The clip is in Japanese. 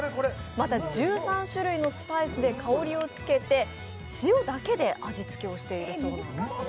また１３種類のスパイスで香りをつけて塩だけで味付けをしているそうなんですね。